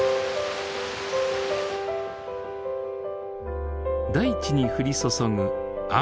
大地に降り注ぐ雨。